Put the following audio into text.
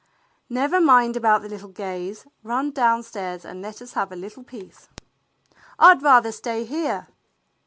"Never mind about the little Gays. Run down stairs and let us have a little peace." "I'd rather stay here."